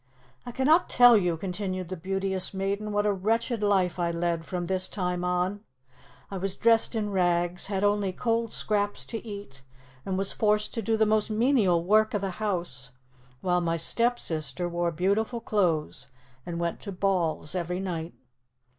"I cannot tell you," continued the Beauteous Maiden, "what a wretched life I led from this time on. I was dressed in rags, had only cold scraps to eat, and was forced to do the most menial work of the house, while my stepsister wore beautiful clothes and went to balls every night."